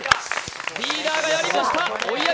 リーダーがやりました。